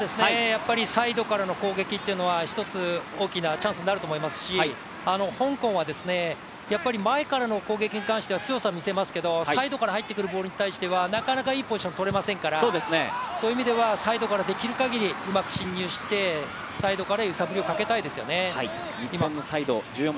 サイドからの攻撃っていうのは一つ大きなチャンスになると思いますし香港は前からの攻撃に関しては強さを見せますけれども、サイドから入ってくるボールに対してはなかなかいいポジションを取れませんからそういう意味ではサイドからできる限りうまく進入してサイドから揺さぶりかけたいですよね。